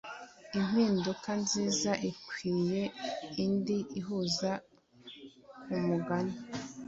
impinduka nziza ikwiye indi ihuza kumugani